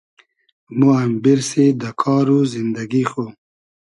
مۉ ام بیرسی دۂ کار و زیندئگی خو